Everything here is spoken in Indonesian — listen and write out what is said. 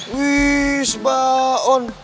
wih mbak on